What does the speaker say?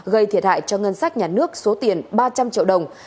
gây thiệt hại cho ngân sách nhà nước số tiền ba trăm linh triệu đồng